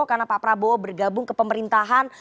karena pak prabowo bergabung ke pemerintahan